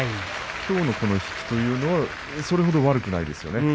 きょうのこの引きというのはそれほど悪くないですね。